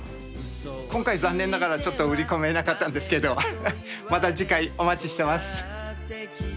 今回残念ながら売り込めなかったんですけどまた次回お待ちしてます。